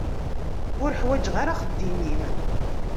Ur ḥwaǧeɣ ara axeddim-im.